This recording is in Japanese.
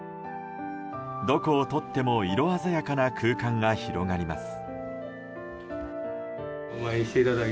どこをとっても色鮮やかな空間が広がります。